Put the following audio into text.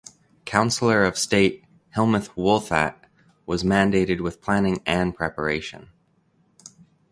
Councilor of state Helmuth Wohlthat was mandated with planning and preparation.